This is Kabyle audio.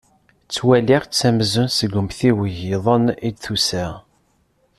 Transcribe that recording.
Ttwaliɣ-tt amzun seg umtiweg-iḍen i d-tusa.